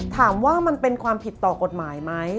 ถามว่ามันเป็นความผิดต่อกฎหมายไหม